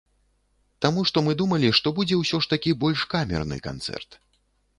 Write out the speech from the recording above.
Таму што мы думалі, што будзе ўсё ж такі больш камерны канцэрт.